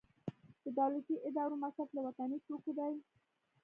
د دولتي ادارو مصرف له وطني توکو دی